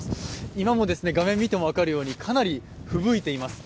今も画面見ても分かるようにかなりふぶいています。